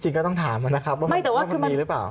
ก็ต้องถามนะครับว่ามันมีหรือเปล่า